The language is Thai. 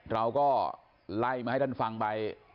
เราก็ไล่มาให้ท่านฟังไป